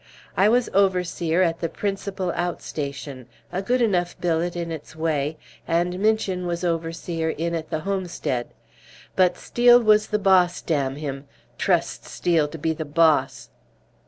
I was overseer at the principal out station a good enough billet in its way and Minchin was overseer in at the homestead. But Steel was the boss, damn him, trust Steel to be the boss!"